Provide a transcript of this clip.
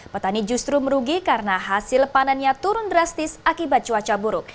petani justru merugi karena hasil panennya turun drastis akibat cuaca buruk